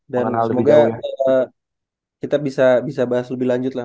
dan semoga kita bisa bahas lebih lanjut lah